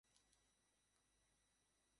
তারা সকলেই অপারগতা প্রকাশ করবে।